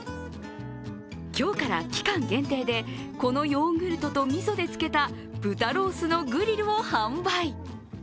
今日から期間限定でこのヨーグルトとみそで漬けた豚ロースのグリルを販売。